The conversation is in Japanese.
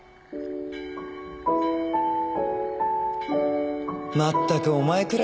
まったくお前くらいだよ